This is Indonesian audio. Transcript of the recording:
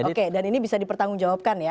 oke dan ini bisa dipertanggungjawabkan ya